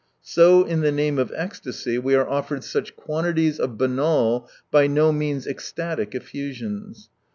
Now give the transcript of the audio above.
So in the name of ecstasy we 63 are offered such quantities of banal, by no means ecstatic effusions.